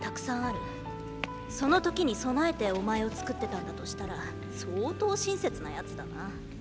その時に備えてお前をつくってたんだとしたら相当親切な奴だな。